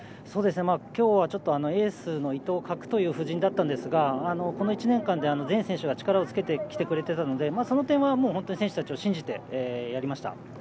今日はエースの伊藤を欠くという布陣だったんですが全選手が力をつけてきてくれていたのでその点は本当に選手たちを信じてやりました。